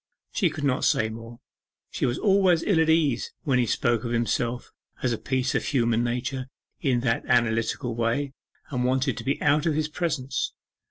She could not say more. She was always ill at ease when he spoke of himself as a piece of human nature in that analytical way, and wanted to be out of his presence.